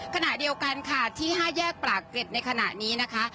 ขณะเดียวกันค่ะที่๕แยกปากเกร็ดในขณะนี้นะคะ